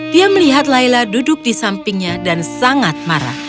dia melihat layla duduk di sampingnya dan sangat marah